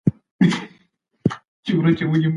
که رابر وي نو غلطي نه پاتې کیږي.